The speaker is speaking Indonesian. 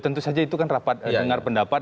tentu saja itu kan rapat dengar pendapat